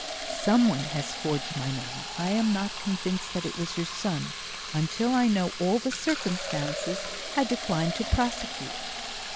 "Someone has forged my name. I am not convinced that it was your son. Until I know all the circumstances, I decline to prosecute."